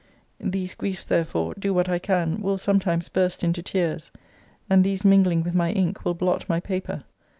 These griefs, therefore, do what I can, will sometimes burst into tears; and these mingling with my ink, will blot my paper.